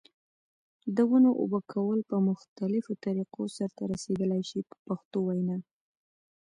د ونو اوبه کول په مختلفو طریقو سرته رسیدلای شي په پښتو وینا.